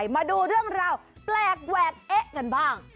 มาดูเรื่องราวแปลกแหวกเอ๊ะกันบ้าง